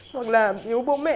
hoặc là nhớ bố mẹ